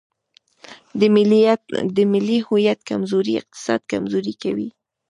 د ملي هویت کمزوري اقتصاد کمزوری کوي.